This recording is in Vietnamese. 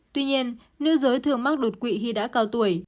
tuy nhiên nữ giới thường mắc đột quỵ khi đã cao tuổi